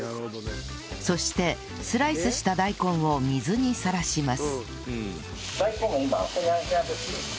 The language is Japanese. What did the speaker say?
そしてスライスした大根を水にさらします